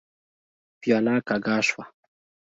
پياله کږه شوه.